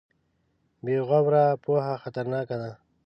بې غروره پوهه خطرناکه ده.